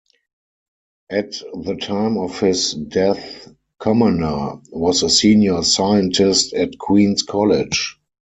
At the time of his death, Commoner was a senior scientist at Queens College.